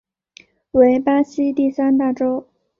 为巴西第三大州。